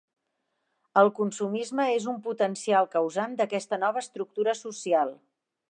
El consumisme és un potencial causant d'aquesta nova estructura social.